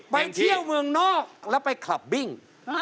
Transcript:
ไปเที่ยวเมืองนอกแล้วไปขับบิ้ง